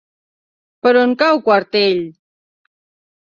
Per on cau Quartell?